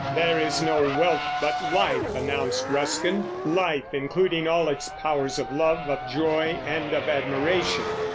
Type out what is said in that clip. "There is no wealth but life," announced Ruskin, "life, including all its powers of love, of joy, and of admiration.